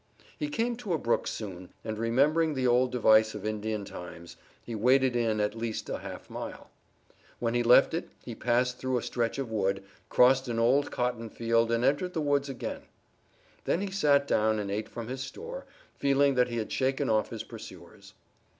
He came to a brook soon, and, remembering the old device of Indian times, he waded in it at least a half mile. When he left it he passed through a stretch of wood, crossed an old cotton field and entered the woods again. Then he sat down and ate from his store, feeling that he had shaken off his pursuers.